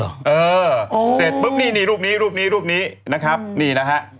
เออเสร็จปุ๊บนี่นี่รูปนี้รูปนี้รูปนี้นะครับนี่นะฮะ